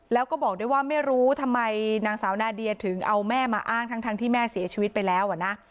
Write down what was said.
แล้วก็บอกด้วยว่าไม่รู้ทำไมนางสาวนาเดียถึงเอาแม่มาอ้างทั้งที่แม่เสียชีวิตไปแล้วอ่ะนะ